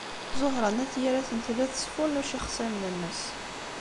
Ẓuhṛa n At Yiraten tella tesfunnuc ixṣimen-nnes.